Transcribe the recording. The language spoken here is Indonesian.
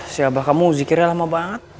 si abah kamu zikirnya lama banget